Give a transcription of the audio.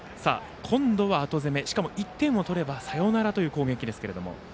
今度は後攻めしかも１点を取ればサヨナラという攻撃ですけれども。